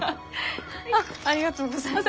ありがとうございます。